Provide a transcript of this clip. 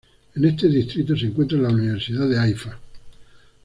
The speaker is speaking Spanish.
En este distrito se encuentra la Universidad de Haifa.